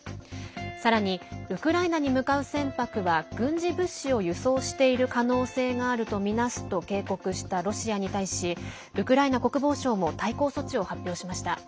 さらにウクライナに向かう船舶は軍事物資を輸送している可能性があるとみなすと警告したロシアに対しウクライナ国防省も対抗措置を発表しました。